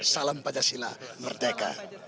salam pancasila merdeka